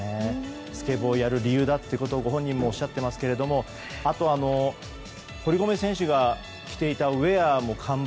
スケボーをやる理由だとご本人もおっしゃっていますが堀米選手が着ていたウェアも完売。